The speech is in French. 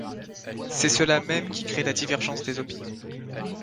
C'est cela même qui crée la divergence des opinions.